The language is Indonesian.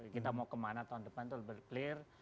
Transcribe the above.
kita mau kemana tahun depan itu lebih clear